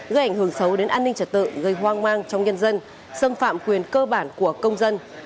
gây ảnh hưởng xấu đến an ninh trật tự gây hoang mang trong nhân dân xâm phạm quyền cơ bản của công dân